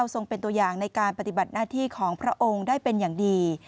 ทรงเป็นตัวอย่างในการปฏิบัติหน้าที่ของพระองค์ได้เป็นอย่างดี